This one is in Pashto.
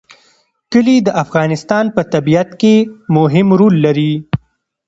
کلي د افغانستان په طبیعت کې مهم رول لري.